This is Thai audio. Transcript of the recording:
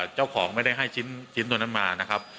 เจ้าของไม่ได้ให้ชิ้นตัวนั้นมา